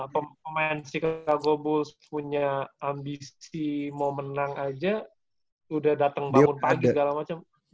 pemain chicago bulls punya ambisi mau menang aja udah dateng bangun pagi